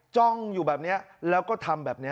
จ้องอยู่แบบนี้แล้วก็ทำแบบนี้